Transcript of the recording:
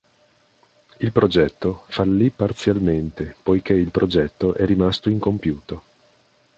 Il progetto fallì parzialmente, poiché il progetto è rimasto incompiuto.